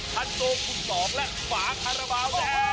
คันโซคุณสองและฝาคาราบาลแดง